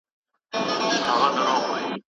چې باغوان یې سینګاروي،